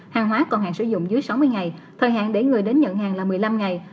hàng hóa còn hạn sử dụng dưới sáu mươi ngày thời hạn để người đến nhận hàng là một mươi năm ngày